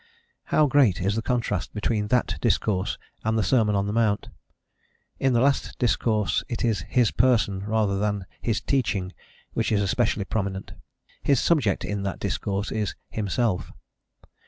* Alford. How great is the contrast between that discourse and the Sermon on the Mount.... In the last discourse it is His Person rather than his teaching which is especially prominent. His subject in that discourse is Himself.